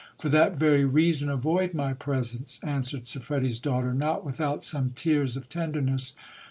For that very reason avoid my presence, answered Siffredi's daughter, not without some tears of tenderness.